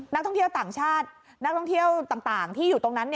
นักท่องเที่ยวต่างชาตินักท่องเที่ยวต่างที่อยู่ตรงนั้น